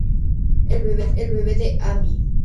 El Bebe de Amy